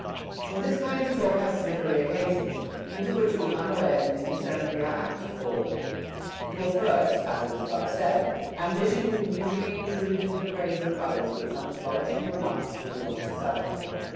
For this kind of talk has slip pery occasions, into which we unawares and indiscerniblv are apt to fall. For first (as is above said), ambition usually intrudes into the praises of others with some flourishing remarks to adorn herself.